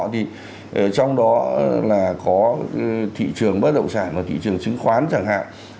thì trong đó là có thị trường bất động sản và thị trường chứng khoán chẳng hạn